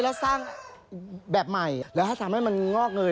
แล้วสร้างแบบใหม่แล้วให้ทำให้มันงอกเงย